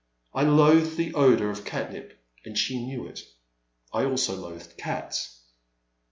I loathed the odour of catnip and she knew it. I also loathed cats.